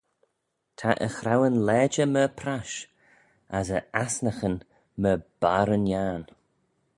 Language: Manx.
Ta e chraueyn lajer myr prash, as e asnaghyn myr barryn yiarn.